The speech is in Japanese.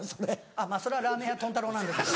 あっまぁそれはラーメン屋豚太郎なんですけど。